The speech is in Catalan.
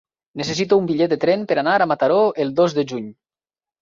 Necessito un bitllet de tren per anar a Mataró el dos de juny.